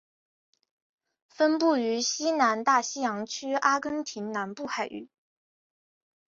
分布于西南大西洋区阿根廷南部海域。